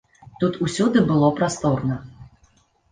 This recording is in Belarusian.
Тут усюды было прасторна.